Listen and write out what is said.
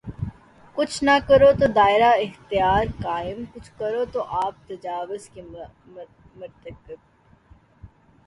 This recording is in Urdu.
کچھ نہ کرو تو دائرہ اختیار قائم‘ کچھ کرو تو آپ تجاوز کے مرتکب۔